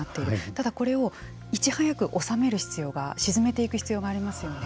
ただ、これをいち早く収める必要が鎮めていく必要がありますよね。